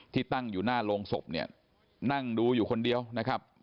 ที่ตั้งอยู่หน้าโรงศพเนี่ยนั่งดูอยู่คนเดียวนะครับ